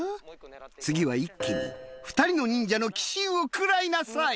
次は一気に２人の忍者の奇襲を食らいなさい！